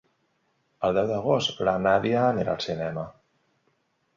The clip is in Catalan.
El deu d'agost na Nàdia irà al cinema.